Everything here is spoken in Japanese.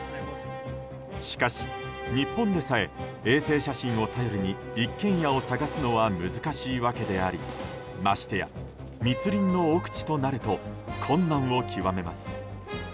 しかし、日本でさえ衛星写真を頼りに一軒家を探すのは難しいわけでありましてや密林の奥地となると困難を極めます。